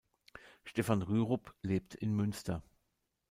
Stephan Rürup lebt in Münster.